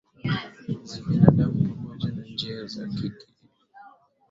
za binadamu pamoja na njia za kike